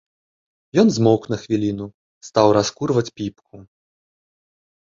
Ён змоўк на хвіліну, стаў раскурваць піпку.